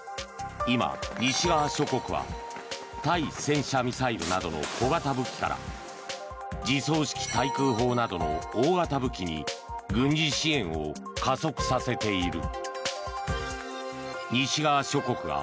今、西側諸国は対戦車ミサイルなどの小型武器から自走式対空砲などの大型武器に軍事支援を加速させている。